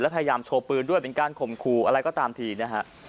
พยายามโชว์ปืนด้วยเป็นการข่มขู่อะไรก็ตามทีนะฮะ